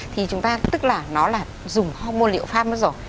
thì chúng ta tức là nó là dùng homo liệu pha mất rồi